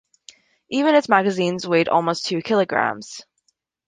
Even its magazine weighed almost two kilograms.